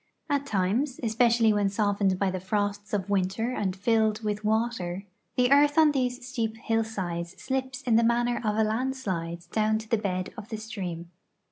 At times (especially' yvhen softened by' the frosts of yvinter and filled yvith yvater) the earth on these steep hillsides slips in the manner of a landslide down to the bed of the stream.